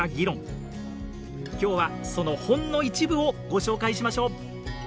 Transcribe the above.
今日はそのほんの一部をご紹介しましょう。